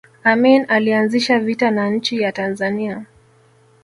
amin alianzisha vita na nchi ya tanzania